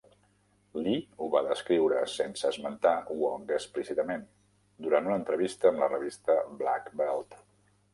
Lee ho va descriure, sense esmentar Wong explícitament, durant una entrevista amb la revista "Black Belt".